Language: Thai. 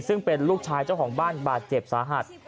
ซึ่งเป็นลูกชายเจ้าของบ้านบาดเจ็บสาหัส